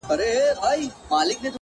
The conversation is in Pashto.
o كبرجن وو ځان يې غوښـتى پــه دنـيـا كي؛